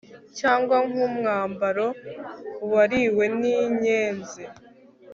cyangwa nk umwambaro wariwe n inyenzi